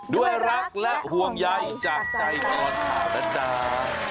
ด้วยรักและห่วงใยจากใจตอนขาดละจ้า